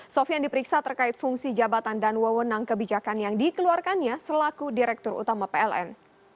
sofian diperiksa terkait fungsi jabatan dan wewenang kebijakan yang dikeluarkannya selaku direktur utama pln